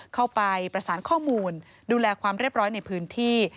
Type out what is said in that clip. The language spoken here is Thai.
เข้าไปประสานข้อมูลดูแลความเรียบร้อยในพื้นที่